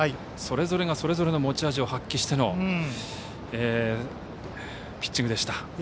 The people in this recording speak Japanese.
それぞれがそれぞれの持ち味を発揮してのピッチングでした。